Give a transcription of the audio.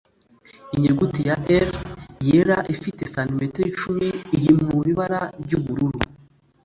inyuguti ya L yera ifite cm icumi irimu ibara ry' ubururu